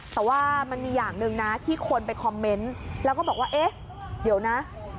แต่ว่ามันมีอย่างหนึ่งนะที่คนไปคอมเมนต์แล้วก็บอกว่าเอ๊ะเดี๋ยวนะ